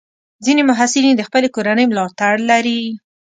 ځینې محصلین د خپلې کورنۍ ملاتړ لري.